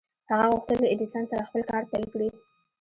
هغه غوښتل له ايډېسن سره خپل کار پيل کړي.